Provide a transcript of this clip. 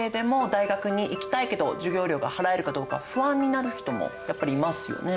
大学に行きたいけど授業料が払えるかどうか不安になる人もやっぱりいますよね。